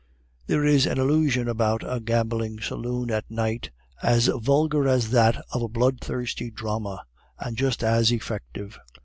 There is an illusion about a gambling saloon at night as vulgar as that of a bloodthirsty drama, and just as effective.